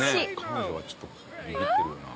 彼女はちょっとビビってるような。